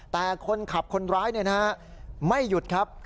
แต่คนขับคนร้ายไม่หยุดครับ